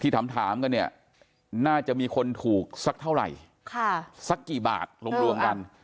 ถามกันเนี่ยน่าจะมีคนถูกสักเท่าไหร่สักกี่บาทรวมกัน